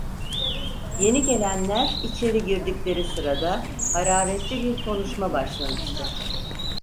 Yeni gelenler içeri girdikleri sırada hararetli bir konuşma başlamıştı.